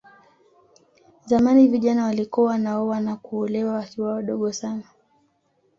Zamani vijana walikuwa wanaoa na kuolewa wakiwa wadogo sana